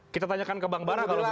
kita tanyakan ke bang bara kalau begitu